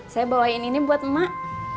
saya bawain ini buat emak